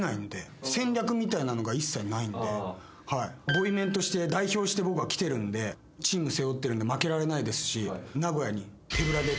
ボイメンとして代表して僕は来てるんでチーム背負ってるんで。